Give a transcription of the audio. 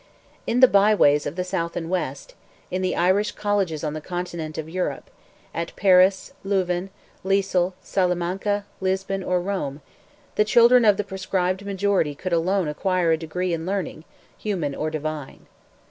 In the bye ways of the South and West, in the Irish colleges on the continent of Europe—at Paris, Louvain, Lisle, Salamanca, Lisbon, or Rome—the children of the proscribed majority could alone acquire a degree in learning, human or divine.